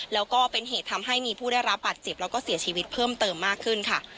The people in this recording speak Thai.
แล้วก็เป็นเหตุทำให้มีผู้ได้รับบาดเจ็บแล้วก็เสียชีวิตเพิ่มเติมมากขึ้นค่ะ